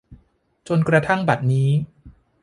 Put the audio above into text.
จนกระทั่งบัดนี้